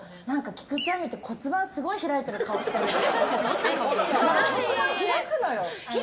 菊地亜美って骨盤すごい開いてる顔してるとか。